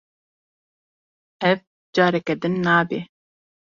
Ev, careke din nabe.